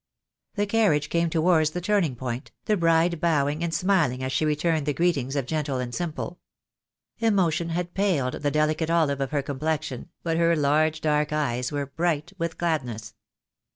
The carriage came towards the turning point, the bride bowing and smiling as she returned the greetings of gentle and simple. Emotion had paled the delicate olive of her complexion, but her large dark eyes were bright with gladness.